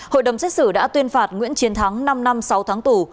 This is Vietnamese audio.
hội đồng xét xử đã tuyên phạt nguyễn chiến thắng năm năm sáu tháng tù